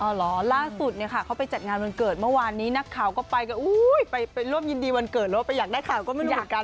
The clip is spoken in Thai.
เหรอล่าสุดเนี่ยค่ะเขาไปจัดงานวันเกิดเมื่อวานนี้นักข่าวก็ไปก็อุ้ยไปร่วมยินดีวันเกิดแล้วไปอยากได้ข่าวก็ไม่เหมือนกัน